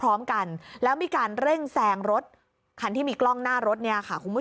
พร้อมกันแล้วมีการเร่งแซงรถคันที่มีกล้องหน้ารถเนี่ยค่ะคุณผู้ชม